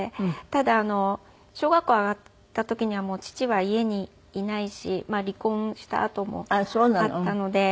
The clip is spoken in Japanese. ただ小学校上がった時にはもう父は家にいないし離婚したあともあったので。